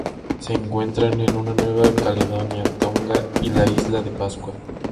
Se encuentran en Nueva Caledonia, Tonga y la Isla de Pascua.